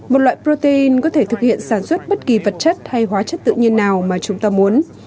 một loại protein có thể thực hiện sản xuất bất kỳ vật chất hay hóa chất tự nhiên nào mà chúng ta muốn